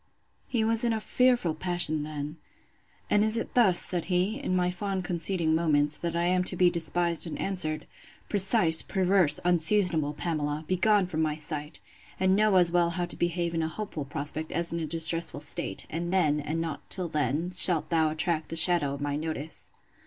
He was in a fearful passion then. And is it thus, said he, in my fond conceding moments, that I am to be despised and answered?—Precise, perverse, unseasonable Pamela! begone from my sight! and know as well how to behave in a hopeful prospect, as in a distressful state; and then, and not till then, shalt thou attract the shadow of my notice.